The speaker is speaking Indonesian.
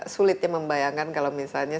sulit membayangkan kalau misalnya